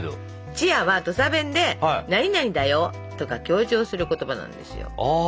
「ちや」は土佐弁で「なになにだよ」とか強調する言葉なんですよ。